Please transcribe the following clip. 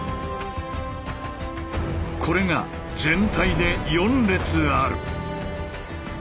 これが全体で４列ある。